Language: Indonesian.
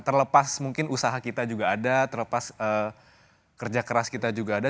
terlepas kerja keras kita juga ada